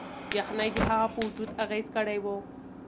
یخنۍ د هغه په وجود اغیز کړی و.